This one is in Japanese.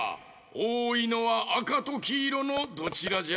おおいのはあかときいろのどちらじゃ？